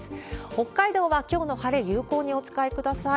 北海道はきょうの晴れ、有効にお使いください。